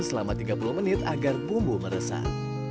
selama tiga puluh menit agar bumbu meresap